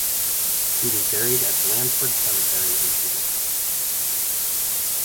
He was buried at Blandford Cemetery in Petersburg.